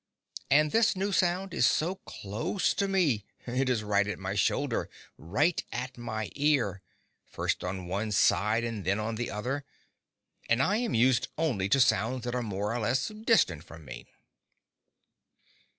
And this new sound is so close to me; it is right at my shoulder, right at my ear, first on one side and then on the other, and I am used only to sounds that are more or less distant from me.